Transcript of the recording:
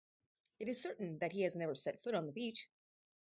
It is certain that he has never set foot on the beach.